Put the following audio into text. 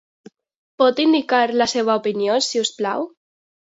Pot indicar la seva opinió, si us plau?